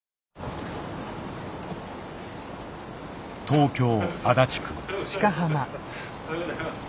東京足立区。